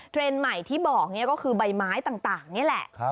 เทรนด์ใหม่ที่บอกก็คือใบไม้ต่างนี่แหละ